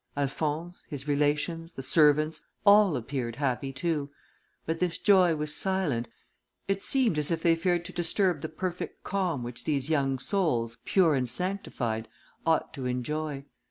Alphonse, his relations, the servants, all appeared happy too; but this joy was silent, it seemed as if they feared to disturb the perfect calm which these young souls, pure and sanctified, ought to enjoy.